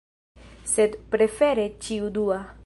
Sed prefere ĉiu dua.